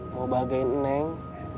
mau bahagi neng